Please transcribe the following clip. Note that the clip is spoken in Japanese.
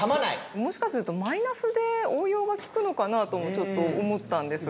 もしかするとマイナスで応用が利くのかなともちょっと思ったんですが。